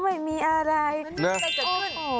แล้วมันมีอะไรเกิดขึ้น